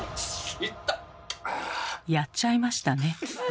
やっちゃいましたね。